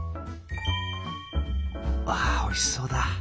うわおいしそうだ。